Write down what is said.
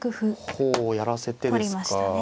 ほうやらせてですか。